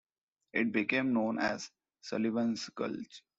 It became known as Sullivan's Gulch.